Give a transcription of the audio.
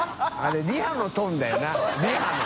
△リハのトーンだよなリハの。